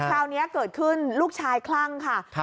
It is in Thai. คราวนี้เกิดขึ้นลูกชายคลั่งค่ะ